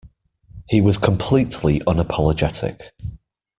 He was completely unapologetic.